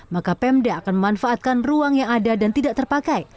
maka pemda akan memanfaatkan ruang yang ada dan tidak terpakai